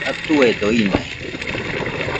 Atuedo ine